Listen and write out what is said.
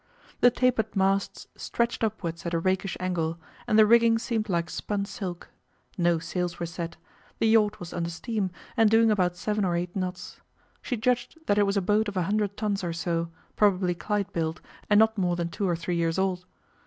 The tapered masts stretched upwards at a rakish angle, and the rigging seemed like spun silk. No sails were set; the yacht was under steam, and doing about seven or eight knots. She judged that it was a boat of a hundred tons or so, probably Clyde built, and not more than two or three years old.